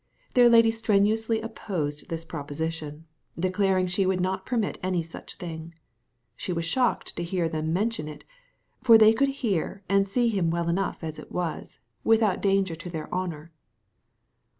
Their lady strenuously opposed this proposition, declaring she would not permit any such thing. She was shocked to hear them mention it, for they could hear and see him well enough as it was, without danger to their honour.